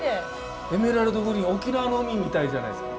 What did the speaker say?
エメラルドグリーン沖縄の海みたいじゃないですか。